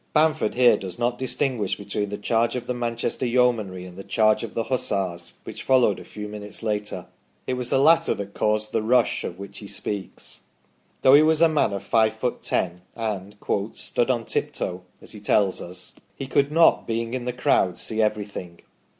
Bamford here does not dis tinguish between the charge of the Manchester Yeomanry and the charge of the Hussars, which followed a few minutes later. It was the latter that caused the " rush " of which he speaks. Though he was a man of five foot ten, and " stood on tiptoe" (as he tells us), he could not, being in the crowd, see everything.